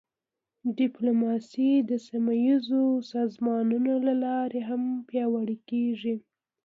ډیپلوماسي د سیمهییزو سازمانونو له لارې هم پیاوړې کېږي.